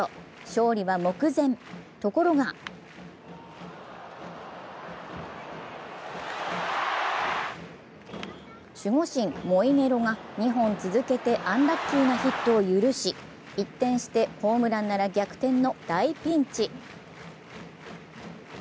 勝利は目前、ところが守護神・モイネロが２本続けてアンラッキーなヒットを許し、一転してホームランなら逆転の大ピンチ。